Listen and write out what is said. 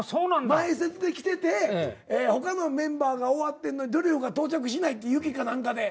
前説で来てて他のメンバーが終わってんのにドリフが到着しないって雪か何かで。